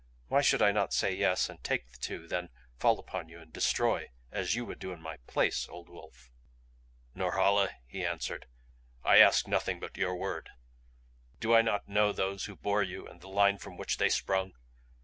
Why should I not say yes and take the two, then fall upon you and destroy as you would do in my place, old wolf?" "Norhala," he answered, "I ask nothing but your word. Do I not know those who bore you and the line from which they sprung?